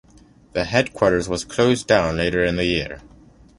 The headquarters was closed down later in the year.